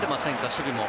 守備も。